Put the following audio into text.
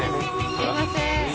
すいません。